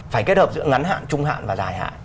phải kết hợp giữa ngắn hạn trung hạn và dài hạn